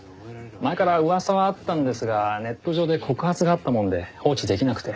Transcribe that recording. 前から噂はあったんですがネット上で告発があったもんで放置できなくて。